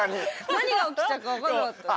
何が起きたか分かんなかったです。